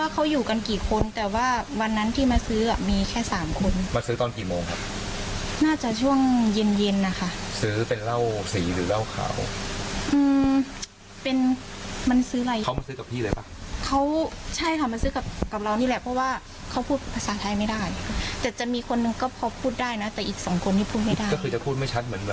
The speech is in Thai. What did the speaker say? ก็พูดไม่ชัดเหมือนเป็นต่างด้าอะไรนะพันธุมาร